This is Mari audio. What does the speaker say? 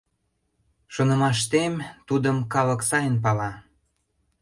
— Шонымаштем, тудым калык сайын пала.